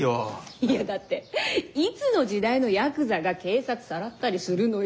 いやだっていつの時代のヤクザが警察さらったりするのよ。